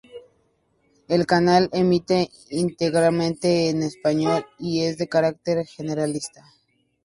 El canal emite íntegramente en español y es de carácter generalista.